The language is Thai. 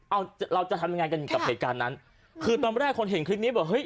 เอาเราจะทำยังไงกันกับเหตุการณ์นั้นคือตอนแรกคนเห็นคลิปนี้บอกเฮ้